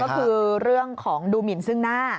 ก็คือเรื่องของดูหมินซึ่งหน้า